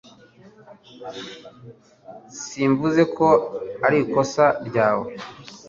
Simvuze ko arikosa ryawe